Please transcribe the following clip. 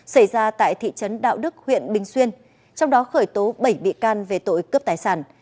xảy ra tại thị trấn đạo đức huyện bình xuyên trong đó khởi tố bảy bị can về tội cướp tài sản